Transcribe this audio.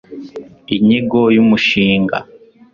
Inyigo y umushinga